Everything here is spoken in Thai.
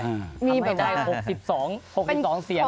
ทำไมได้๖๒เสียง